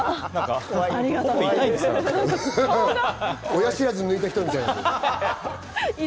親知らず抜いた人みたいな。